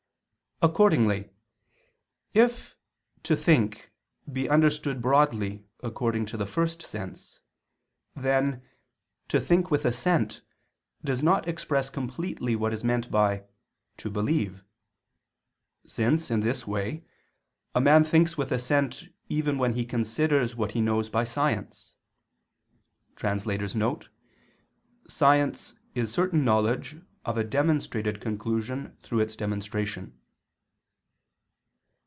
Accordingly, if "to think" be understood broadly according to the first sense, then "to think with assent," does not express completely what is meant by "to believe": since, in this way, a man thinks with assent even when he considers what he knows by science [*Science is certain knowledge of a demonstrated conclusion through its demonstration.